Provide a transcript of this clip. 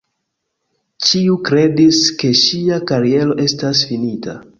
Ĉiu kredis, ke ŝia kariero estas finita.